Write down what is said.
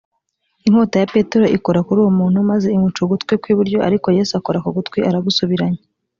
inkota ya petero ikora kuri uwo muntu maze imuca ugutwi kw’ iburyo ariko yesu akora ku gutwi aragusubiranya